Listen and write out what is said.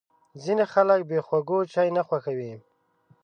ځینې خلک بې خوږو چای خوښوي.